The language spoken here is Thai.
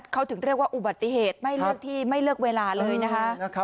เขาถึงเรียกว่าอุบัติเหตุไม่เลือกเวลาเลยนะฮะ